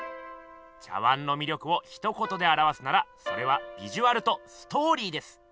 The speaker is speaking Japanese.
茶碗のみ力をひと言であらわすならそれは「ビジュアル」と「ストーリー」です。